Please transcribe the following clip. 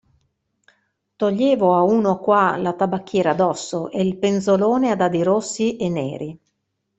Toglievo a uno qua la tabacchiera d'osso e il penzolone a dadi rossi e neri.